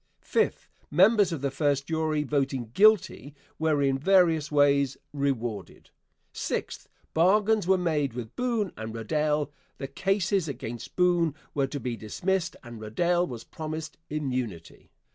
Fifth. Members of the first jury voting "guilty" were in various ways rewarded. Sixth. Bargains were made with Boone and Rerdell. The cases against Boone were to be dismissed and Rerdell was promised immunity.